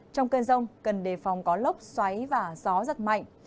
trong cơn rông cần đề phòng có lốc xoáy và gió giật mạnh